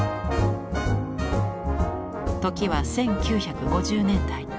時は１９５０年代。